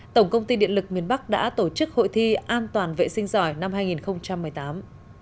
tổng công ty điện lực miền bắc đã tổ chức hội thi an toàn vệ sinh giỏi năm hai nghìn một mươi tám